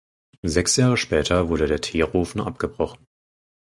Sechs Jahre später wurde der Teerofen abgebrochen.